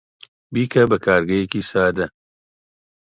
بیکە بە کارگەرێکی سادە.